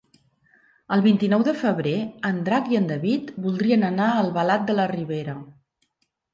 El vint-i-nou de febrer en Drac i en David voldrien anar a Albalat de la Ribera.